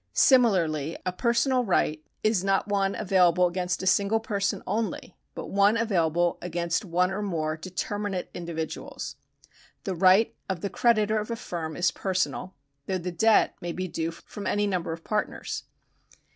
Similai'Iy a personal right is not one available against a single person only, but one available against one or more determinate individuals. The right of the creditor of a firm is personal, though the debt may be due from any number of partners.